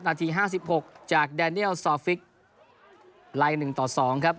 นาที๕๖จากแดเนียลซอฟฟิกไล่๑ต่อ๒ครับ